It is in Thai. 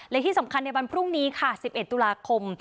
และที่สำคัญในวันพรุ่งนี้ค่ะ๑๑ตุลาคม